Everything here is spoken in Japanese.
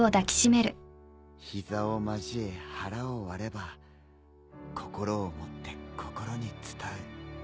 膝を交え腹を割れば心をもって心に伝う。